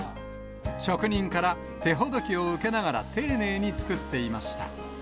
職人から手ほどきを受けながら、丁寧に作っていました。